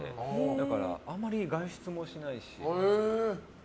だからあんまり外出もしないし。